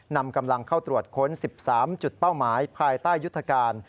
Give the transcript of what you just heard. นำกำลังเข้าตรวจค้น๑๓จุดเป้าหมายภายใต้ยุทธการ